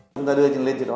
chúng ta đưa lên từ đó